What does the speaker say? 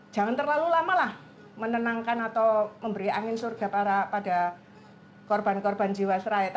jangan terlalu lama lah menenangkan atau memberi angin surga pada korban korban jawa selayaputra